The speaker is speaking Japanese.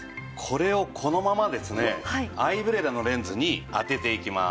これをこのままですねアイブレラのレンズに当てていきます。